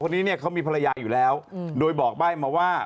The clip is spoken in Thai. เนี่ยเขามีภรรยาอยู่แล้วโดยบอกใบ้มาว่า